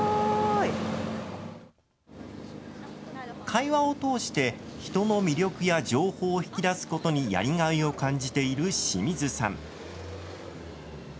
会話を通して人の魅力や情報を引き出すことにやりがいを感じている清水さん。